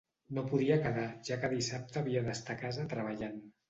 No podia quedar, ja que dissabte havia d'estar a casa treballant.